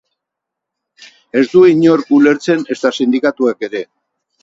Ez du inork ulertzen, ezta sindikatuek ere.